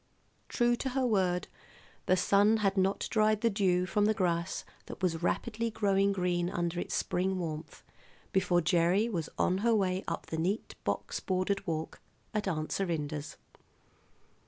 True to her word, the sun had not dried the dew from the grass that was rapidly growing green under its spring warmth before Gerry was on her way up the neat box bordered walk at Aunt Serinda's.